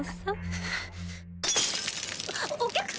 お客様！